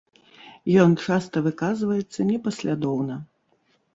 Ён часта выказваецца непаслядоўна.